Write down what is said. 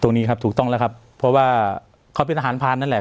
ตรงนี้ถูกต้องนะครับเพราะว่าไปทหารพาลนั้นแหละ